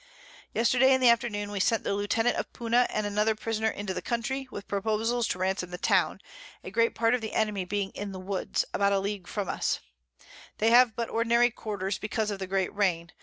Yesterday in the Afternoon we sent the Lieutenant of Puna and another Prisoner into the Country, with Proposals to ransom the Town, a great part of the Enemy being in the Woods about a League from us; they have but ordinary Quarters, because of the great Rain.